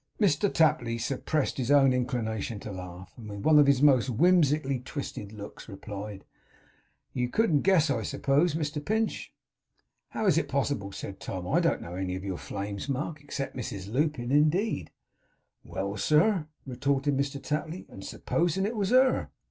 Mr Tapley suppressed his own inclination to laugh; and with one of his most whimsically twisted looks, replied: 'You couldn't guess, I suppose, Mr Pinch?' 'How is it possible?' said Tom. 'I don't know any of your flames, Mark. Except Mrs Lupin, indeed.' 'Well, sir!' retorted Mr Tapley. 'And supposing it was her!